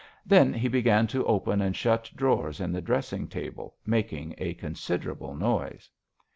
Then he began to open and shut drawers in the dressing table, making a considerable noise.